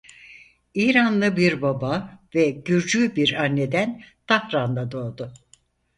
İranlı bir baba ve Gürcü bir anneden Tahran'da doğdu.